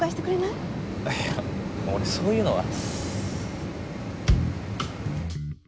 いや俺そういうのは。